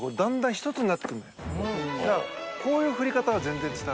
だからこういう振り方は全然。